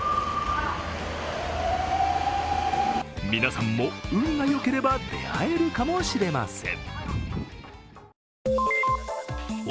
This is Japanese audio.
皆さんも運が良ければ出会えるかもしれません。